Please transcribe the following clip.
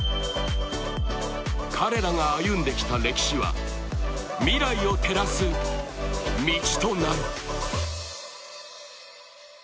彼らが歩んできた歴史は未来を照らす道となる。